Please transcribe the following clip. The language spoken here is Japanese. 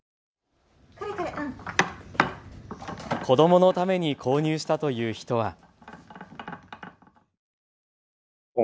子どものために購入したという人は。